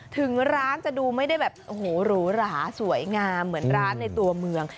ถึงร้านจะดูไม่ได้แบบโอ้โหหรูหราสวยงามเหมือนร้านในตัวเมือง